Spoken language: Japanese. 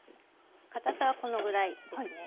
かたさはこのぐらいですね。